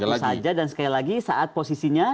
punya satu saja dan sekali lagi saat posisinya